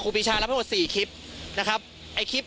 ครูปีชารับทั้งหมด๔คลิปนะครับ